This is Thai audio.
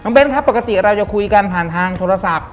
เน้นครับปกติเราจะคุยกันผ่านทางโทรศัพท์